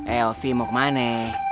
eh elvi mau kemana